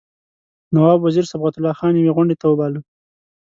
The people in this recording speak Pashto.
نواب وزیر صبغت الله خان یوې غونډې ته وباله.